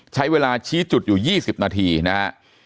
ใช้เวลาชี้จุดอยู่๒๐นาทีนะฮะ